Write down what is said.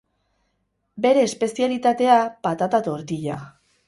Bere espezialitatea, patata tortila.